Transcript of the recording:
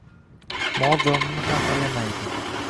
Mol-jonini ham ayamaydi.